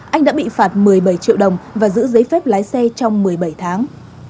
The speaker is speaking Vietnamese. anh đã bị phạt một mươi bảy triệu đồng và giữ giấy phép lái xe trong một mươi bảy tháng